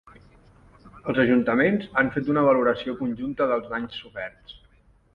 Els ajuntaments han fet una valoració conjunta dels danys soferts.